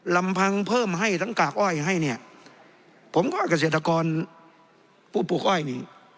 ลำพังเพิ่มให้ทั้งกากอ้อยให้เนี่ยผมก็เกษตรกรผู้ปลูกอ้อยนี่